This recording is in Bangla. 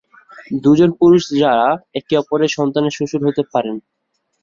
দুজন পুরুষ যারা একে অপরের সন্তানের শ্বশুর হতে পারেন।